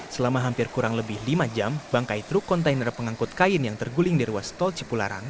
selama hampir kurang lebih lima jam bangkai truk kontainer pengangkut kain yang terguling di ruas tol cipularang